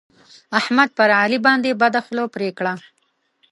احمد پر علي باندې بده خوله پرې کړه.